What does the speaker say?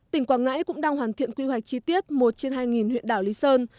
tỉnh quảng ngãi cũng đang hoàn thiện quy hoạch chi tiết một trên hai huyện đảo lý sơn